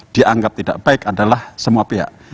dianggap tidak baik adalah semua pihak